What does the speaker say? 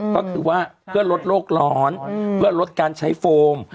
ก็คือว่าเพื่อลดโรคร้อนเพื่อลดการใช้โฟม